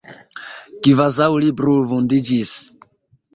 Kvazaŭ li brulvundiĝis.